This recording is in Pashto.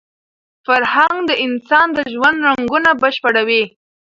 فرهنګ د انسان د ژوند رنګونه بشپړوي.